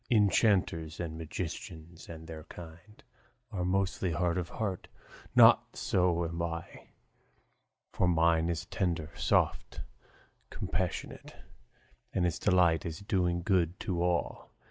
Enchanters and magicians and their kind Are mostly hard of heart; not so am I; For mine is tender, soft, compassionate, And its delight is doing good to all.